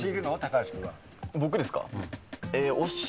僕ですか？